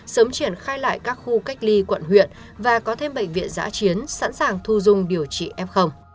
sớm triển khai lại các khu cách ly quận huyện và có thêm bệnh viện giã chiến sẵn sàng thu dung điều trị f